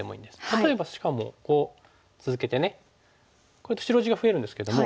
例えばしかもこう続けてね白地が増えるんですけども。